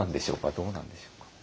どうなんでしょうか？